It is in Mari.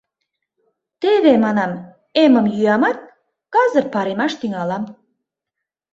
Теве, манам, эмым йӱамат, казыр паремаш тӱҥалам.